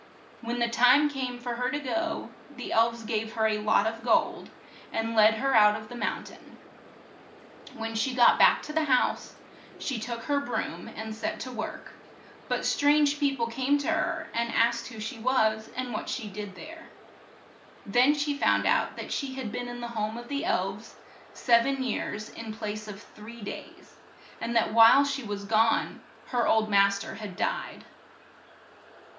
When the time came for her to go, the €(k~^ ^*s^PS^ elves gave her a lot of gold, and led her out of the moun tain. When she got back to y —f^ the house, she took c her broom and set to THE ELVES TAKE THE MAID TO WHERE THEY LIVE work. But strange peo pie came to her and asked who she was, and what she did there. Then she found out that she had been in the home of the elves sev en years in place of three days, and that while she was gone her old mas ter had died.